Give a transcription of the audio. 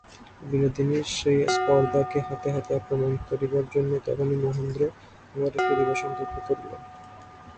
বিনোদিনীর সেই স্পর্ধাকে হাতে হাতে অপ্রমাণ করিবার জন্যই তখনি মহেন্দ্র ঘরে ফিরিবার সংকল্প করিল।